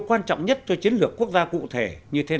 quan trọng nhất cho chiến lược quốc gia cụ thể như thế